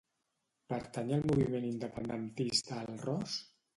Pertany al moviment independentista el Ros?